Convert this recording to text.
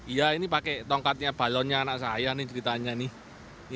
iya ini pakai tongkatnya balonnya anak saya nih ceritanya nih